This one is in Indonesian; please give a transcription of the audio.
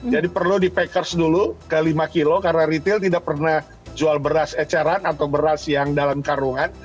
jadi perlu di packers dulu ke lima kilo karena retail tidak pernah jual beras eceran atau beras yang dalam karungan